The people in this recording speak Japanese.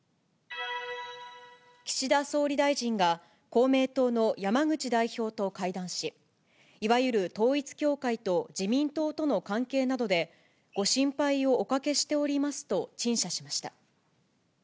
岸田総理大臣が、公明党の山口代表と会談し、いわゆる統一教会と自民党との関係などで、ご心配をおかけしておりますと、陳謝しました。